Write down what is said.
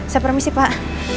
saya permisi pak